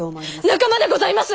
仲間でございます！